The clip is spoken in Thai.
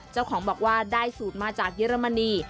เจ้าของบอกว่าได้สูตรมาจากเยอรมนี